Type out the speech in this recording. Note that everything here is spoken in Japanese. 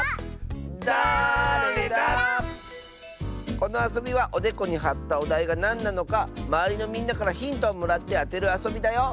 このあそびはおでこにはったおだいがなんなのかまわりのみんなからヒントをもらってあてるあそびだよ。